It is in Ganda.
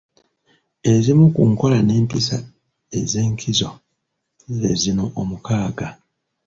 Ezimu ku nkola n’empisa ez’enkizo ze zino omukaaga: